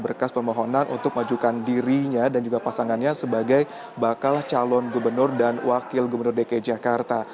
berkas permohonan untuk majukan dirinya dan juga pasangannya sebagai bakal calon gubernur dan wakil gubernur dki jakarta